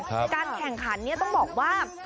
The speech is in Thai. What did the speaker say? การแข่งขันนี้ต้องบอกว่า